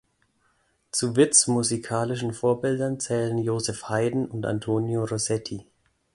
Zu Witts musikalischen Vorbildern zählen Joseph Haydn und Antonio Rosetti.